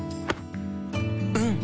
うん！